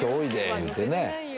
言うてね。